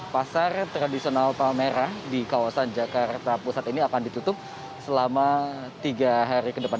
pasar tradisional palmerah di kawasan jakarta pusat ini akan ditutup selama tiga hari ke depan